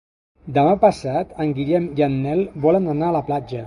Demà passat en Guillem i en Nel volen anar a la platja.